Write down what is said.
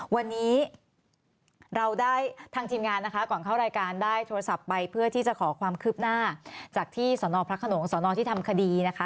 วันนี้เราได้ทางทีมงานนะคะก่อนเข้ารายการได้โทรศัพท์ไปเพื่อที่จะขอความคืบหน้าจากที่สนพระขนงสอนอที่ทำคดีนะคะ